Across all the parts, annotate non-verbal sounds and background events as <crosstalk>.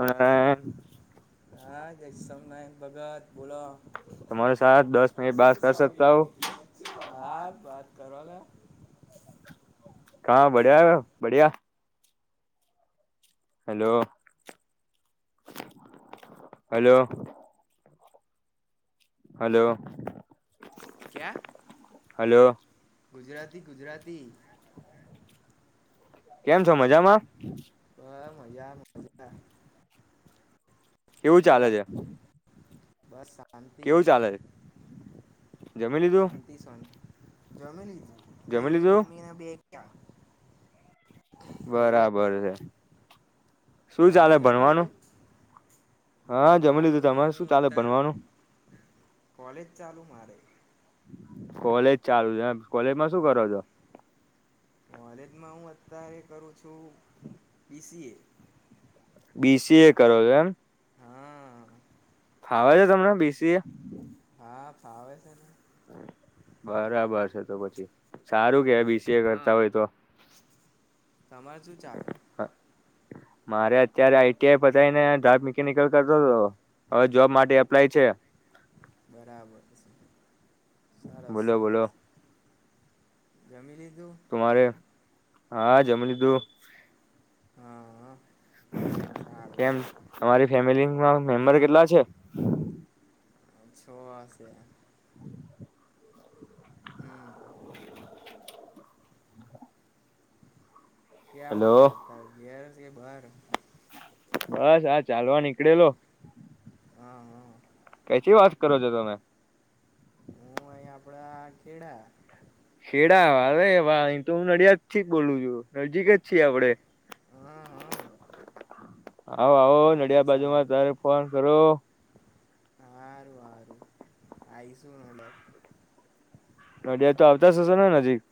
એમન હા જયસમ ના ભગત બોલો સાથ દસ મિનટ બાત કર સકતા હો હા વાત કરવા કા બ્યા બિયા હેલો હલો હલો ક્યા હલો ગુજરાતી ગુજરાતી કેમ છો મજામાં હ મજા મજા કેવું ચાલે બોલો છે બસ શાંતિ કેવું ચાલે જમી લીધું શાંતિ શાંતિ જમી લીધું જઈ બમીને બે ક્યા બરાબર છે શું તમે ચાલે જમી ભણવાનું લીધું હા જમી લીધું ભણવાનું તમારે શું હું ચાલે અત્યારે ભનવાનું કોલેજ ચાલુ મારે કોલેજ ચાલુ છે કોલેજમાં શું હા કરો છો વધારે કરું છું <inaudible> <inaudible> બીસી એ કરો છો એમ હા ખાવા છે તમને બેસી એ હા ફાવે છે એને બરાબર છે તો પછી સારું કેવા બીસીએ હા કરતા હોય તો તમારે શું ચાલે મારે અત્યારે આઈટીઆઈ પતાવીને ડાબ મિકેનિકલ કરતો હતો હવે જોબ માટે એપ્લાય છે બરાબર છે સરસ બોલો બોલો સરસ જમી લીધું તમારે હા જમ લીધું હા સારું કેમ તમારી ફેમિલીમાં મેમ્બર કેટલા છે <inaudible> હમ <inaudible> ક્યાં હેલો ઉપડ્યા હતા ઘેર કે બાર બસ આ ચાલવા નીકળેલો હા હા કથીી વાત કરો છો તમે કપડા કેડા ખેડા હરે ભાઈ અહી તો હું નડિયાદ થી બોલું છું નજીક જ છીએ આપડે <inaudible> હા હા આવો આવો સારું નડિયાદબાજુમાં સારું તારે ફોન કરો આરું આરું આયસુ મળશું અ તો આવતા જ હશેો ને નજીક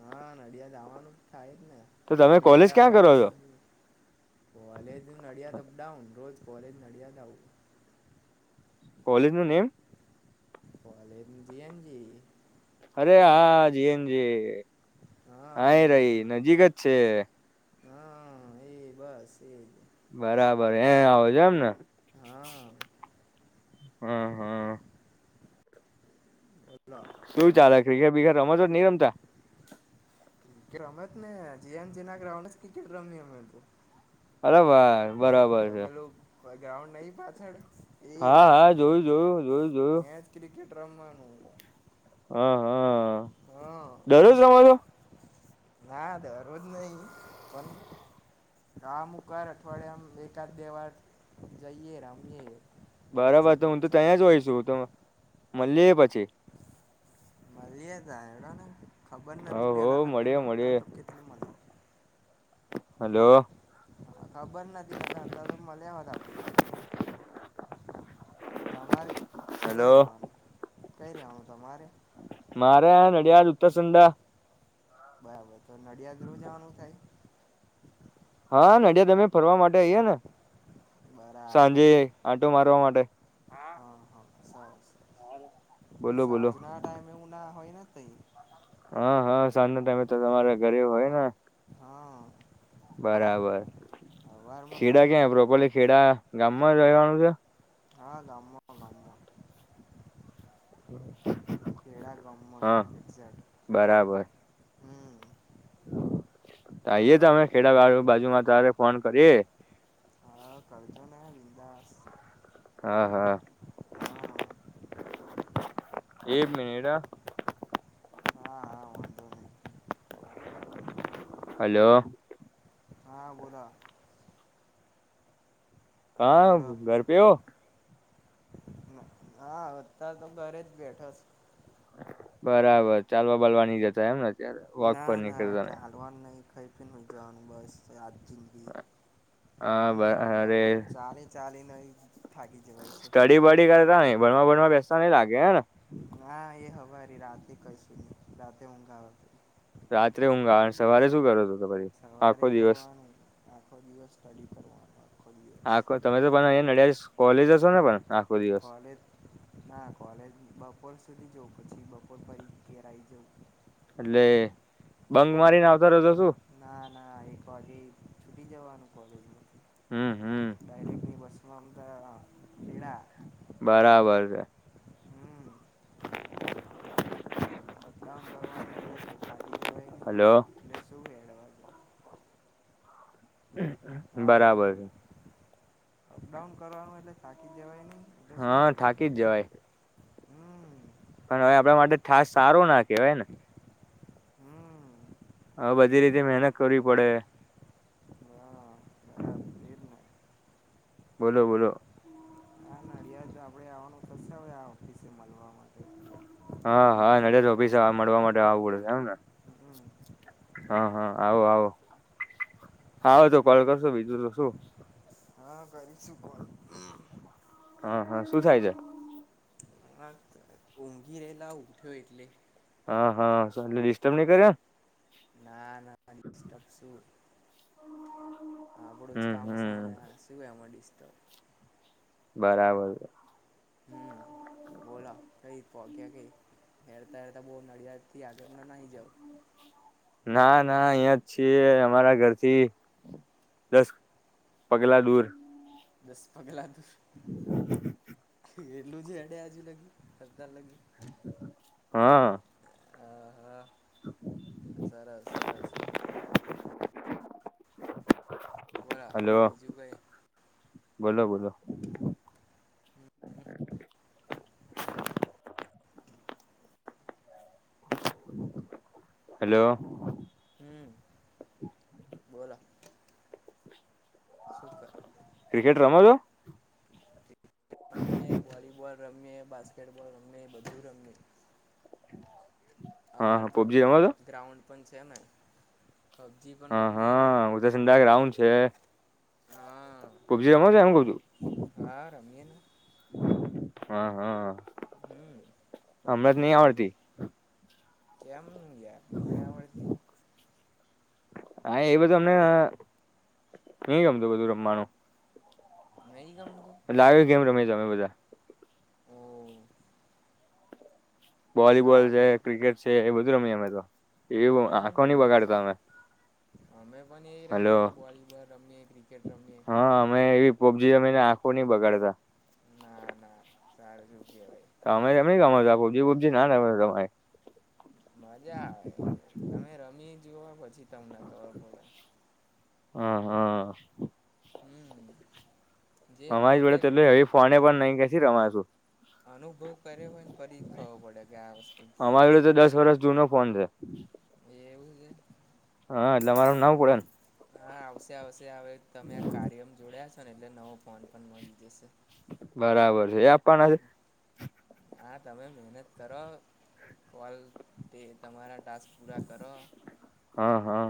હા નડિયાદ જવાનું થાય તો તમે કોલેજ મેળય ક્યાં કરો છો? મેળ કોલે અડ અપ ડાાઉન રોજ કોલેજ નળિયાદ આવુ કોલેજ નું નેમ કોલેજ ની જી એન જી રે હા જી એન જે હા એ રહી નજીક જ છે. હા એ બસ એ બરાબર એ આવોજો એમને? હા હા, હા. બોલો શું ચાલે ક્રિકેટ બીગેટ રમો છો કે ની રમતા? ક્રે રમેત ને જી એન જી ના ગ્રઉડ અજ ક્રિકેટ રમીયે અમે તો. અરે વાહ, બરોબર છે. બા ગ્રાઉન્ડ નહીં પાછળ હા હા જોયું જોયું જોયું. જોયું એજ ક્રિકેટ રમવાનું. હા હા હા દરરોજ રમા છો? ના દરરોજ નહી પન આમુકર અઠવાડિયામાં એકાદ દેવાર જઈયએ રમીએે. બરાબર તો હું તો ત્યાં જ હોઈ છું, તો મળલી એ પછી. મલીરીએ તા હેડોને. ખબર નથી ઓહો પેલા નકર મળીએ નહોતા મળીએ તો કેટલી મજા હલો. ખબર નથી નકા અત્યાર તો મલિયા હોતા આપડે કેટલી વાર. તમારી કઈ હલો રેવાનું કઈ રેવાનું તમારે? મારે આ નડિયાળ ઉત્તર સંધા બરાબર તો નડિયાદ રોજ આવાનું થાય? હા નડિયાદ અમે ફરવા માટે આઈએ ને. બરાબર સાંજે આંટો મારવા માટે. હા હા સરસ બોલો બોલો સાંજના ટાઈમે એવું ના હોય ને તઈ. હા હા સાંજના ટાઈમે તો તમારા ઘરે હોય ને. હા બરાબર. હવારમાં ખેડા તમાર ક્યા પ્રોપરલી ખેડા ગામમાં રહેવાનું છે? હા ગામમાં. ગામમાં ખેડા ગમ્મયમાં હે હા એક્ઝેક્ટ. હમ તો આઈએે તો બોલો અમે ખેડાવાળ બાજુમાં તારે ફોન કરીએ. હા કરજો ને વિંદાસ. હા હા હા એ- મેડ અહ હા હા વાંધો નહી. હલો. હા બોલા. કા ઘર પે હો? હા, અત્યાર તો ઘરે જ બેઠોસ. બરાબર ચાલવા બલવા ની જતા એમ ને અત્યારે વોક પર નીકળતા ને. ખઈફિન ને હુઈ જાવાનું બસ આદ. હા બ યાર અરે. હાલ ચાલી ચાલીને થાકી જવાય છે પછી સ્ટડી બડી કરતા નઈ. ભણવા ભણમાં બેસતા નઈ લાગે હે ના? ના એ હવારી રાતે કશું નઈ રાતે ઊંઘા આવ. રાત્રે ઊંઘ આવે ને સવારે શું કરો છો તો પછી આખો સવારે દિવસ? કરવાનું આખો દિવસ સ્ટડી કરવાનો આખો દિવસ આખો તમે તો અ નડિયા કોલેજ જ કોલેજ ના કોલેજ બપોર સુધી જો પછી બપોર પહી ઘેર આઈ જઉં. એટલે બંગ મારીને આવતા રહજો શું? ના ના એક વાગે છૂટી જવાનું કોલેજલે. હમ હમ ડાયરેક્ટ ની બસમાંમ. બરાબર છે. હમ અપડાઉન કરવાનું એટલે થાટી જવાય નહીં હલો એટલે શું હેડવાસ. હાલો બરાબર છે. અપડાઉન કરવાનું એટલે થાકી જવાય નહી એટલે શું હા હેડે થઠાકી જ પછી જવાય હમ પણ હવે આપણા માટે થાસ સારો ના કહેવાય ને હમ હા બધી રીતે મહેનત કરવી પડે હા નારા આપડીને બોલો બોલો હા નડિયાદ જ આપડે આવવાનું થશે હો આ ઓફિસે મળવા માટે હા બધી હા ડિટેલ નડજ કાઢવા ઓફિસે મળવા માટે આવવું પડેશે એમને હમ હાવે તો કોલ હમ કરશો બીજું તો શું. હા કરી છું કોણ. હા હા શું થાય છે. હ ઊંઘી રહેલા ઉઠ્યો એટલે હા હાલે ડિસ્ટર્બ નઈ કર્યા. ના ના શું. હ આપડું જ હમ કામ છે ને હમ શું એ મળશ તો. બરાબર. હમ બોલા કઈ. ફ ક્યા કે હેરતા હેરતા બહ નડિયાદ થી આગળ ના નાઈ જાવ. ના ના અહિયાં જ છીએ અમારા ઘરથી દસ. પગલા દૂર. દસ પગલા ત <unintelligible> ખેલું જે એડે આજુ લગી સદાર લગી. હા. હા હા સરસ સરસ. બોલા હલોો. બીજું કઈ બોલો બોલો. <unintelligible> હેલો. હમ બોલા. ક્રિકેટ રમાજો. િકટ રમીએ વોલીબોલ રમીએ બાસ્કેટબોલ રમીએ બધું રમીએ. હા અમાર હા તો પબજી રમો ત્યાં છો ગ્રાઉન્ડ પણ છે ને. પબજી હ પણ રમીએ ને હા ઉજસંધગું છે. હા પબજી ગમ છે એમ કવ છું. હા રમીએ ને હા હા હમ હમણાં જ પબજી નહ પણ રમીએ આવડતી. કેમ યાર નહી આવડતી. હા એ બધું અમને નઈ ગમતું બધું રમવાનું. નહી. એટલે આવ ગેમ રમી અમે બધા. ઓ વોલીબોલ છે ક્રિકેટ છે એ બધું રમી અમે તો. એવું અમે પણ આંખો નહી રમીએ છીએ બગાડતા અમે અમે પણ એ હલો રમી વોલીબોલ રમ. હા અમે એવી પબજી અમેને આંખો નઈ બગાડતા. ના ના સારું શું કહેવાય તમે એમને ગ. બજી ના રમ તમારે. મજા આવે યાર તમે રમી જુઓ પછી તમને ખ પડ. હા હા હા હમ જે અમારે જોડે પોતે એટલી ફોને પણ નઈ કેસી રમાજ અનુભવ કર્યો હોયન, ફરી જ ખબર પડે કે આ વસ્તુ અમારી કેવી જોડે છે તો એમ. દસ વર્ષ જૂનો ફોન છે એવું છે? હા એટલે અમારે ના પડે ને હા આવશે આવશે હવે એક તમે કાર્યમ જોડાશો અને એટલે નવો ફોન પણ મળી જશે. બરાબર છે. એ આપવાના છે? હા તમે મહેનત કરો. કોલ તે તમારા ટાસ્ક પૂરા કરો. હા હા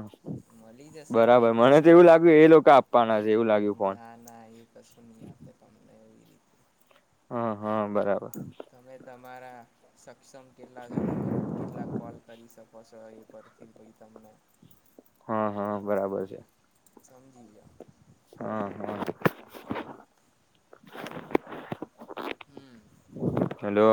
મળી જશે બરાબર. તમને મને તો એવું પણ લાગ્યું એ લોકો આપવાના છે એવું લાગ્યું ફોન. <inaudible> ના ના એ કશું નહીં આપે તમને એવી રીતે હં હ બરાબર. તમે તમારા સ ક્ષમ કેટલા છો. તમે કેટલા કોલ કરી શકો છો એ પરથી પઈ તમને હા હા બરાબર છે. સમજી ગ્યા. હા હા હમ હલો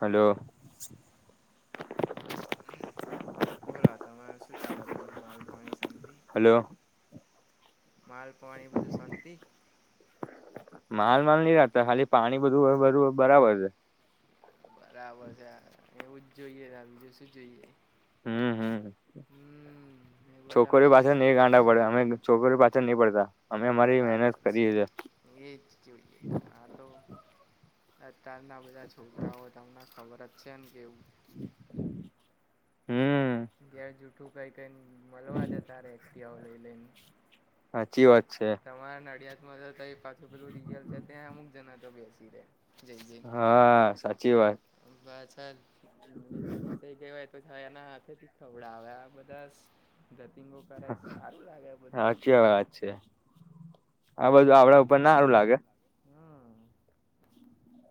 હલો <unintelligible> બોલો તમારે શું ચાલે? બીજું માલ પાણી સ હલો માલ પાણી બધું શાંતિ? માલ બાલ નહી રાખતા. ખાલી પાણી બધું બધું બરાબર છે. બરાબર છે એવું જ જોઈએ તા બીજું શું જોઈએ. હમ હમ હમ એ બધામ છોકરીઓ શું પાછળ નહી ગાંડા પડે. અમે છોકરી પાછળ નહી પડ બરાબર છે. એજ જોઈએતા આ તો આ અતારના બધા છોકરાઓ તમને ખબર જ છે ને કેવું <unintelligible> એવું કહી કેન મલવા જતા રે એકટીવાઓ લઈ લઈન. હાચી વાત છે. <unintelligible> તો પાછું પેલું રિયલ છે ત્યાં અમુક જના તો બેસી રેહ. હા, સાચી વાત. પાછા <inaudible> થાય. એના હાથેથી ખવડાવે આ બધા ધતીંગો કરે છ. સારું લાગે આ બધું? સાચી વાત છે આ બધું આપડા ઉપર ના હારુ લાગે. હમ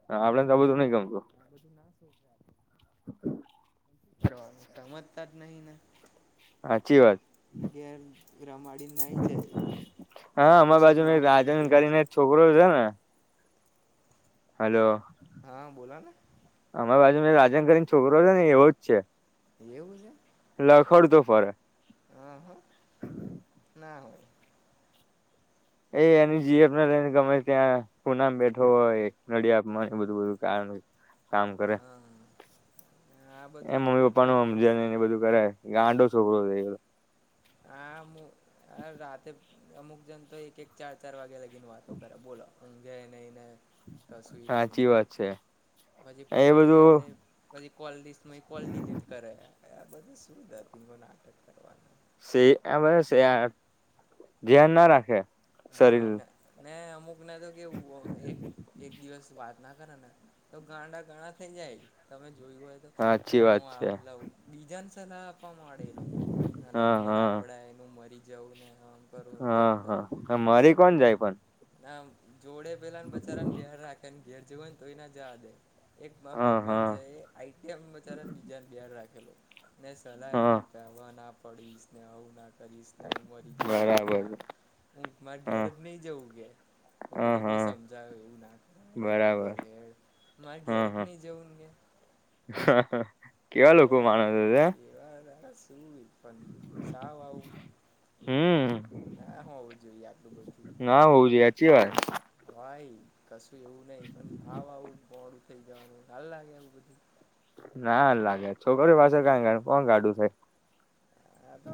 હા આપડેને તો ના આ બધું નઈ સારું ગમતું. લાગે આ <inaudible> <inaudible> શું કરવાનું. સમજતા જ નહીને. હાચી વાત. ઘેર રમાડીન નાહી જાય. હા આવું અમાર બાજુ શું ન નામ શું રાજન તેમ કરીને એક છોકરો છે ને! હલો. હા બોલાને. એ રાજન કરીન છોકરો છેને એ એવો જ છે. એવું છે? લખડ તો ફરે. હા હા, ના હોય. એ એની જીએપને લઈને ગમે ત્યાં પુનામાં બેઠો હોય નડયાદ મા ન બધું બધું કારણ કામ કરે. હા આ એ બધું મમ્મી પપ્પા ખોટું નું કે સમજને એને બધું કરે ગાંડો છોકરો છે. હા રાતે અમુક જન તો એક એક ચાર ચાર વાગ્યા લગી વાતો કર બોલો ઉગે નહી ને કશું નહી ને સાચી વાત છે. પછી એ પકડી જાય બધું એટલે પછી કોલિસ્ટ મા કોલ ડિલેટ કરે. આ બધું શું દતીગો નાટક કરવાના. આ બધા ધ્યાન ના રાખે શરીર હા ને અમુક ને તો કેવુ એક એક દિવસ વાત ના કરે નેતો ગાંડા ગણા થઈ જાય. તમે જોયું હોય તો સાચી વાત છે આવું લાવું બીજાન સલાહ આપવા માંડે એ લોકો ના હા લવો ના હા પડા ને મરી જવું ને આમ કરવું ને હા તેમ કરવું હા મારી કોણ જાય પણ? ના જોડે પહેલા ને બચારાને બેહાર રાખે ને ઘેર જવુ ન તોય ના જવા દે. એક મા હા ભાઈબન હા છે એ <unintelligible> ને બીજાને બેહાર રાખેલો. ને સલાહ એને હા આપ્યા હવા ના પડીશ ને આવું નાખ કરીશ ને હું મરી જઉં છું બરાબર ના હું મારે ઘેર હા જ નહી જઉં. તો હા પેલો બહ હા સમજાવે એવું ના કર એડ બરાબર ઘેરડ. મારે હા ઘેરે જ નહી જવું ન કે. હા. કેવા આ લોકો બધા ના માણસો છે કેવા વા શું પણ શાવ આવું? હમ ના હો હોવું જોઈએ આલું બધું. ના <unintelligible> ભાઈ કશું એવું નહી પણ હાવ આવું મોડું થઈ જવાનું હાલ લાગે એવું બધું. ના લાગે છોકરી પાસે કઈ ગા કોણ કાઢું ખાય. આ તો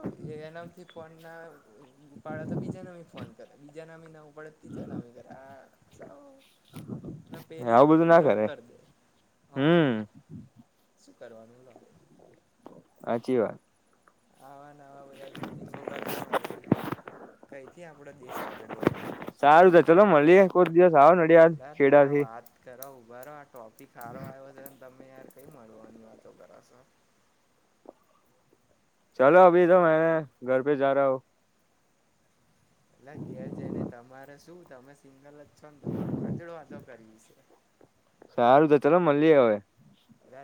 એનામથી ફોન ના <inaudible> ઉપાડે તો બીજાનામી ફોન કર બીજાના મી ના ઉપડ તો તીજાના મ કરે આ સો મે પેલી આવું બધું પણ ના બ્લોક કરે કર દે. હા હમ ભઈ. કરવાનું લો. હાચી વાત. <inaudible> જપિંગો કરતા હોય ભઈ કઈથી આપડો દેશ આગળ વધે. સારું તો ચાલો મળલીએ કોઈ દિવસ આવો નડિયા ખેડાથી. ઊભા રો આ ટોપિક સારો આવ્યો છે ને તને યાર કઈ મળવાની વાતો કરો સો. <inaudible> ચાલો અભી તો મે ઘર પે જા રહા હુ. એટલે ઘેર જઈને તમારે શું તમે સિંગલ જ છો ને તમારે કો આંજળો વાંધો કરિ શે. સારું તો ચલો મળી હવે. અરે